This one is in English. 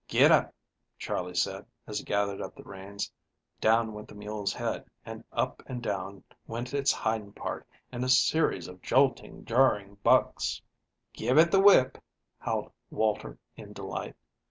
"Get up," Charley said, as he gathered up the reins. Down went the mule's head, and up and down went its hind part, in a series of jolting, jarring bucks. "Give it the whip," howled Walter in delight.